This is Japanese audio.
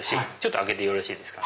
開けてよろしいですか？